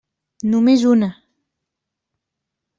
Només una.